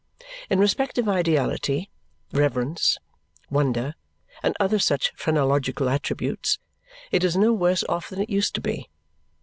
In respect of ideality, reverence, wonder, and other such phrenological attributes, it is no worse off than it used to be.